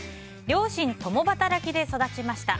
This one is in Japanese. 両親共働きで育ちました。